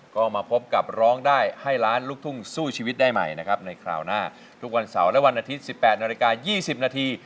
ก็มาพบกับร้องได้ให้ล้านลูกทุ่งสู้ชีวิตได้ใหม่นะครับในคราวหน้าทุกวันเสาร์และวันอาทิตย์๑๘นาฬิกา๒๐นาที